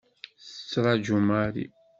Tettraǧu Mary.